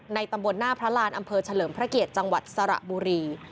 ตำบลหน้าพระรานอำเภอเฉลิมพระเกียรติจังหวัดสระบุรี